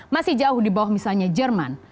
masih jauh di bawah misalnya jerman